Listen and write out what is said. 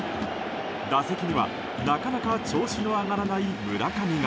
打席にはなかなか調子の上がらない村上が。